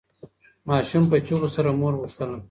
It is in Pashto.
ماشوم په چیغو سره مور غوښتله.